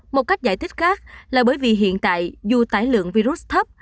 một cách giải thích khác là bởi vì hiện tại dù tải lượng virus thấp